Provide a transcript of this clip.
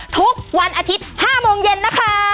ทุกวันอาทิตย์๕โมงเย็นนะคะ